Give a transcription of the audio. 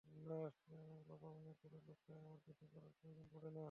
না আসলে, আমার বাবা অনেক বড়লোক তাই আমার কিছু করার প্রয়োজন পড়ে না।